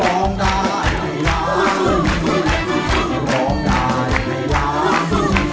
ร้องได้ให้ว่าร้องได้ให้ร้อง